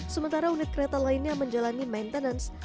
sementara unit kereta lainnya menjalani maintenance